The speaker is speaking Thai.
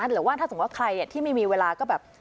หรือว่าใครที่ไม่มีเวลาก็แบบ